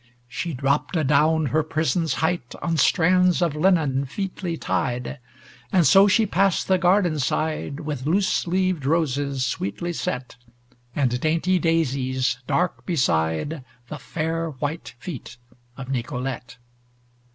She dropped adown her prison's height On strands of linen featly tied. And so she passed the garden side With loose leaved roses sweetly set, And dainty daisies, dark beside The fair white feet of Nicolete!